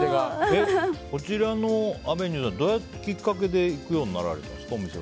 こちらのあべにうさんどういったきっかけで行くようになったんですか、お店。